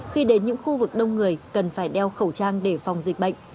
khi đến những khu vực đông người cần phải đeo khẩu trang để phòng dịch bệnh